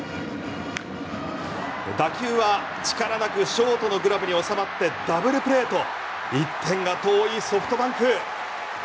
打球は力なくショートのグラブに収まってダブルプレーと１点が遠いソフトバンク。